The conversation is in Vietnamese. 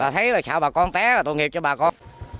thấy là sợ bà con té là tôi nghiệp cho bà con